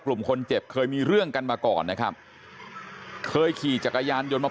กลุ่มคนเจ็บเคยมีเรื่องกันมาก่อนนะครับเคยขี่จักรยานยนต์มา